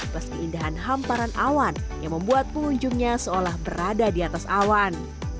dan keindahan hamparan awan yang membuat pengunjungnya seolah berada di atas awan